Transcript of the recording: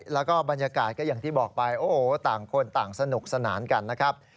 แล้วก็บรรยากาศก็อย่างที่บอกไปโอ้โหต่างคนต่างสนุกสนานกันนะครับ